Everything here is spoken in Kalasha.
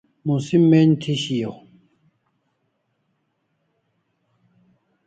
Musim men'j thi shiau